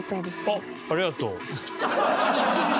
あっありがとう。